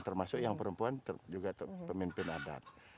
termasuk yang perempuan juga pemimpin adat